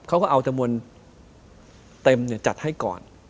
เขาก็เอาจำนวนเต็มจัดให้ก่อน